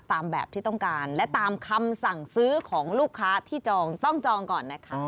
ตามแบบที่ต้องการและตามคำสั่งซื้อของลูกค้าที่จองต้องจองก่อนนะคะ